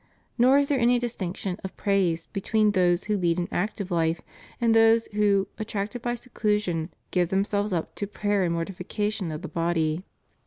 Nor is there any distinction of praise between those who lead an active life and those who, attracted by seclusion, give themselves up to prayer and mortification of the body.